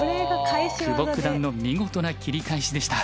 久保九段の見事な切り返しでした。